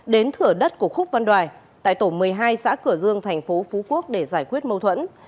đến thửa đất của khúc văn đoài tại tổ một mươi hai xã cửa dương thành phố phú quốc để giải quyết mâu thuẫn